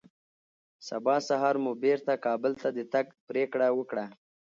سبا سهار مو بېرته کابل ته د تګ پرېکړه وکړه